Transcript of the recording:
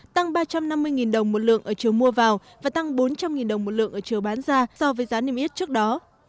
tăng ba trăm năm mươi đồng một lượng ở chiều mua vào và tăng bốn trăm linh đồng một lượng ở chiều bán ra so với giá niêm yết trước đó